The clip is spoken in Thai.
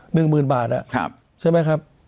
๑หมื่นบาทอะใช่ไหมครับ